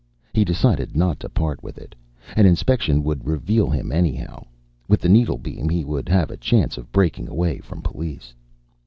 He decided not to part with it. An inspection would reveal him anyhow; with the needlebeam he would have a chance of breaking away from police.